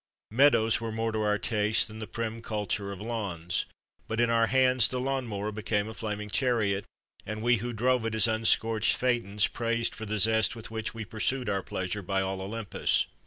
Meadows were more to our taste than the prim culture of lawns, but in our hands the lawn mower became a flaming chariot, and we who drove it as unscorched Phaetons praised for the zest with which we pursued our pleasure by all Olympus.